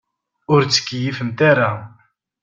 Ur ttkeyyifemt ara.